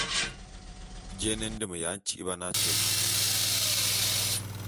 Jé é ne ndem ya ntyi'ibane metye?